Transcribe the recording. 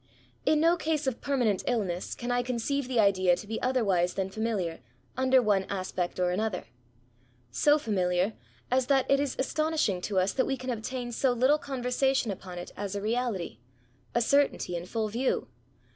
In no case of permanent illness can I conceive the idea to be otherwise than fanuliar^ under one aspect or another ; so familiar^ as that it is astonishing to us that we can obtain so little conversation upon it as a reality — a cer tainty in full view.